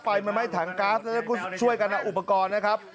ไฟมันไหม้ถังก๊าซแล้วก็ช่วยกันเอาอุปกรณ์นะครับ